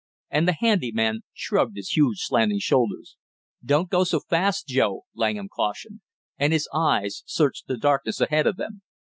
And the handy man shrugged his huge slanting shoulders. "Don't go so fast, Joe!" Langham cautioned, and his eyes searched the darkness ahead of them.